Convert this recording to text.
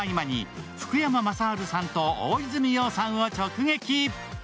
今回は、撮影の合間に福山雅治さんと大泉洋さんを直撃。